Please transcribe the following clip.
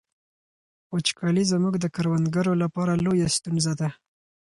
وچکالي زموږ د کروندګرو لپاره لویه ستونزه ده.